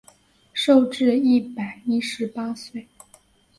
寿至一百一十八岁。